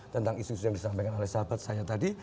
tentang isu isu yang disampaikan oleh sahabat saya tadi